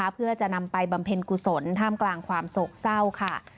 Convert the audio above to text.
เพื่อจะนำไปบำเพ็ญกุศลท่ามกลางความโศกเศร้าค่ะ